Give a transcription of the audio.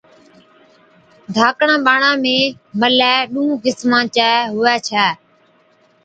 ڌاڪڙان ٻاڙان ۾ ملَي ڏُونهن قِسمان چَي هُوَي ڇَي،